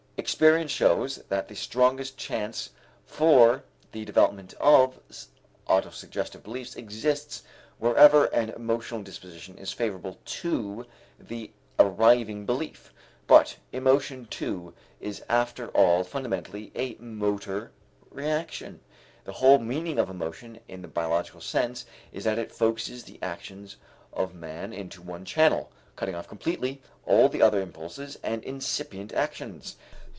Experience shows that the strongest chance for the development of such autosuggestive beliefs exists wherever an emotional disposition is favorable to the arriving belief. But emotion too is after all fundamentally a motor reaction. The whole meaning of emotion in the biological sense is that it focuses the actions of man into one channel, cutting off completely all the other impulses and incipient actions.